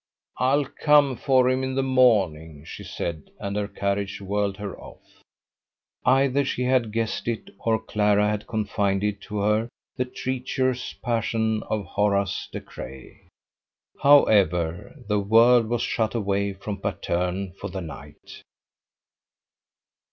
"I'll come for him in the morning," she said, and her carriage whirled her off. Either she had guessed it, or Clara had confided to her the treacherous passion of Horace De Craye. However, the world was shut away from Patterne for the night.